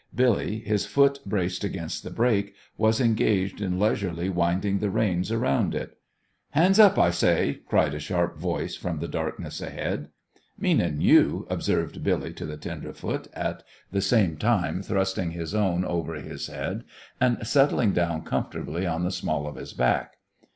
Billy, his foot braced against the brake, was engaged in leisurely winding the reins around it. "Hands up, I say!" cried a sharp voice from the darkness ahead. "Meanin' you," observed Billy to the tenderfoot, at the same time thrusting his own over his head and settling down comfortably on the small of his back.